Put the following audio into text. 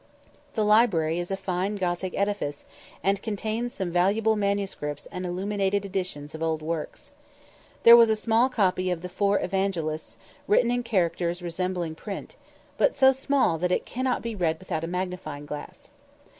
The library is a fine Gothic edifice, and contains some valuable manuscripts and illuminated editions of old works. There was a small copy of the four evangelists, written in characters resembling print, but so small that it cannot be read without a magnifying glass.